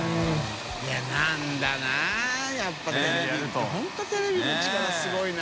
いなんだなやっぱテレビって本当テレビの力すごいな。